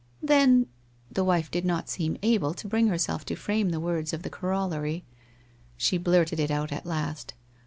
' Then ' The wife did not seem able to bring herself to frame the words of the corollary. ... She blurted it out at last.